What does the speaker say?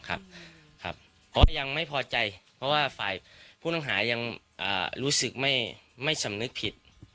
เพราะยังไม่พอใจเพราะว่าฝ่ายผู้ต้องหายังรู้สึกไม่สำนึกผิด